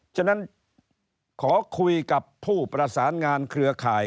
ฉะนั้นขอคุยกับผู้ประสานงานเครือข่าย